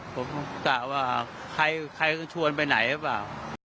ผมต้องกลับว่าใครต้องชวนไปไหนหรือเปล่า